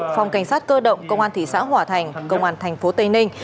phòng cảnh sát cơ động công an thị xã hòa thành công an thành phố tây ninh